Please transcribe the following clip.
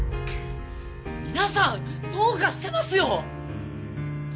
皆さんどうかしてますよ！